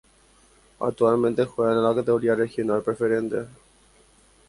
Actualmente juega en la categoría Regional Preferente.